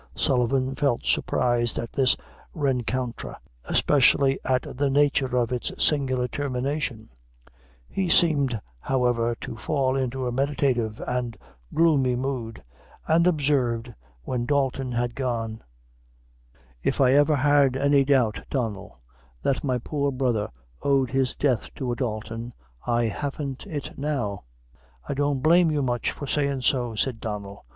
Sullivan felt surprised at this rencontre, especially at the nature of its singular termination; he seemed, however, to fall into a meditative and gloomy mood, and observed when Dalton had gone "If I ever had any doubt, Donnel, that my poor brother owed his death to a Dalton, I haven't it now." "I don't blame you much for sayin' so," replied Donnel.